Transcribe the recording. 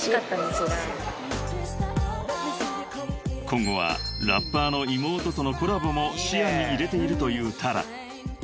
［今後はラッパーの妹とのコラボも視野に入れているというＴａｒａ］